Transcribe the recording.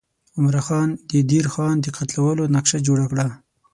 عمرا خان د دیر خان د قتلولو نقشه جوړه کړه.